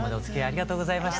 ありがとうございます。